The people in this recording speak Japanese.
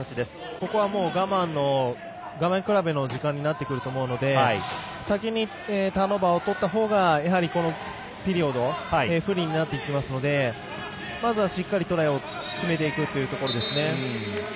ここは我慢比べの時間になってくると思うので先にターンオーバーを取ったほうが、このピリオドで不利になってきますのでまずはしっかりトライを決めていくところですね。